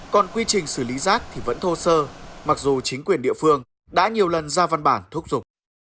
còn quy trình xử lý rác thì vẫn thô sơ mặc dù chính quyền địa phương đã nhiều lần ra văn bản thúc giục